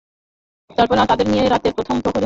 তারপর তাদের নিয়ে রাতের প্রথম প্রহরের শেষে রওনা দিলেন।